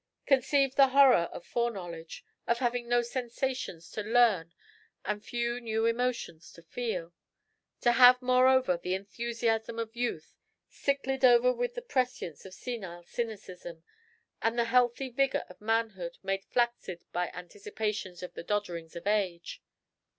Conceive the horror of foreknowledge: of having no sensations to learn and few new emotions to feel; to have, moreover, the enthusiasm of youth sicklied over with the prescience of senile cynicism, and the healthy vigour of manhood made flaccid by anticipations of the dodderings of age!